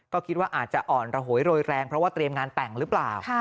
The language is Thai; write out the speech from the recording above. ก็คิดว่าอาจจะอ่อนระโหยโรยแรงเพราะว่าเตรียมงานแต่งหรือเปล่า